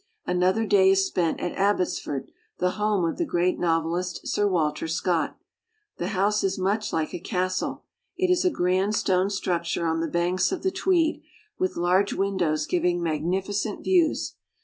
Another day is spent at Abbotsford, the home of the great novelist, Sir Walter Scott. The house is much like a castle. It is a grand stone structure on the banks of the Tweed, with large windows giving magnificent views.